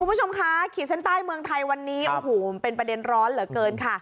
คุณผู้ชมคะขีดเส้นใต้เมืองไทยวันนี้โอ้โหมันเป็นประเด็นร้อนเหลือเกินค่ะ